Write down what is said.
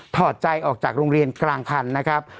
ถอดใจออกจากโรงเรียนกลางคันนะครับ